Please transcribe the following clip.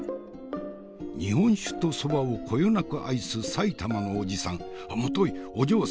日本酒と蕎麦をこよなく愛す埼玉のおじさんもといお嬢様。